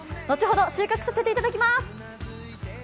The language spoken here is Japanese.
後ほど収穫させていただきます！